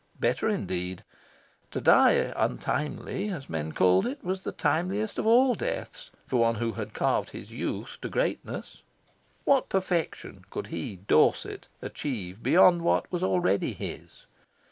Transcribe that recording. Better, indeed. To die "untimely," as men called it, was the timeliest of all deaths for one who had carved his youth to greatness. What perfection could he, Dorset, achieve beyond what was already his?